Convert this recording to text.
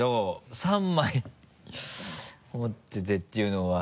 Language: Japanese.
３枚持っててっていうのは。